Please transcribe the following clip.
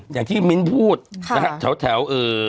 อย่างที่มิ้นพูดแถว